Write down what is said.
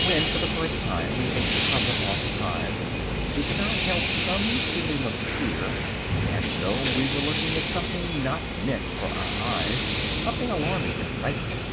When for the first time we take the cover off a hive we cannot help some feeling of fear, as though we were looking at something not meant for our eyes, something alarming and frightening.